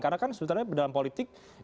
karena kan sebenarnya dalam politik